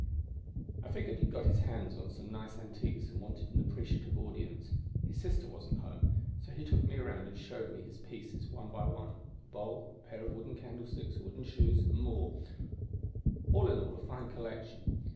"I figured he'd got his hands on some nice antiques and wanted an appreciative audience. His sister wasn't home; so he took me around and showed me his pieces, one by one a bowl, a pair of wooden candlesticks, wooden shoes, and more, all in all a fine collection.